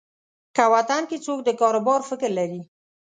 که وطن کې څوک د کاروبار فکر لري.